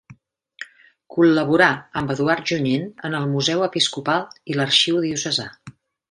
Col·laborà amb Eduard Junyent en el Museu Episcopal i l'Arxiu Diocesà.